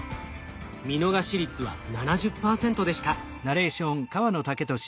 見逃し率は７０％でした。